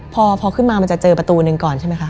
พอขึ้นมามันจะเจอประตูหนึ่งก่อนใช่ไหมคะ